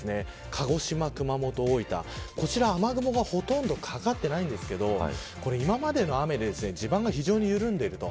鹿児島、熊本、大分こちらは雨雲がほとんどかかっていませんが今までの雨で非常に地盤が緩んでいると。